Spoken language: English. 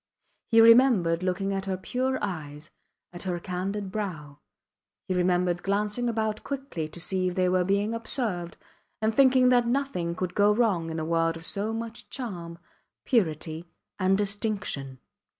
He remembered looking at her pure eyes, at her candid brow; he remembered glancing about quickly to see if they were being observed, and thinking that nothing could go wrong in a world of so much charm, purity, and distinction.